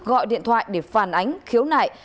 gọi điện thoại để phản ánh khiếu nại